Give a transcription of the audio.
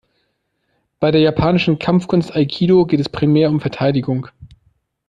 Bei der japanischen Kampfkunst Aikido geht es primär um Verteidigung.